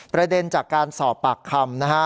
ประเด็นจากการสอบปากคำนะฮะ